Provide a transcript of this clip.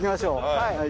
はい。